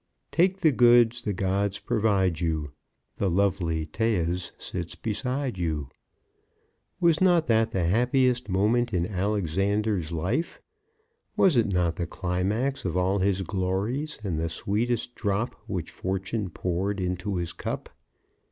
Take the goods the gods provide you. The lovely Thais sits beside you. Was not that the happiest moment in Alexander's life. Was it not the climax of all his glories, and the sweetest drop which Fortune poured into his cup?